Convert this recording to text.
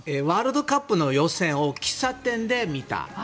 ワールドカップの予選を喫茶店で見た。